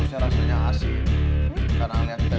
aneh tidak harusnya rasanya asing karena lihat teteh jadi manis rasanya